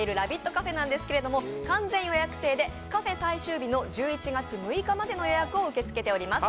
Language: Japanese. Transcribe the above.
カフェなんですけど完全予約制でカフェ最終日の１１月６日までの予約を受け付けております。